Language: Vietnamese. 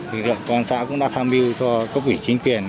thực ra con xã cũng đã tham dự cho cấp ủy chính quyền